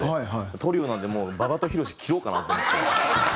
トリオなんでもう馬場と博切ろうかなと思って。